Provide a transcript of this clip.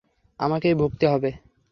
আমাকেই ভুগতে হবে!